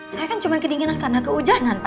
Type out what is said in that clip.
saya kan cuma kedinginan karena kehujanan pak